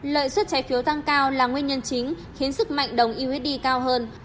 lợi suất trái phiếu tăng cao là nguyên nhân chính khiến sức mạnh đồng usd cao hơn